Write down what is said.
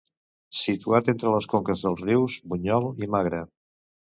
Situat entre les conques dels rius Bunyol i Magre.